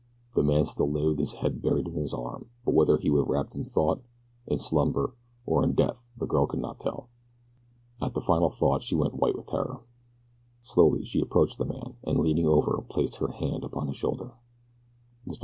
The man still lay with his head buried in his arm, but whether he were wrapped in thought, in slumber, or in death the girl could not tell. At the final thought she went white with terror. Slowly she approached the man, and leaning over placed her hand upon his shoulder. "Mr.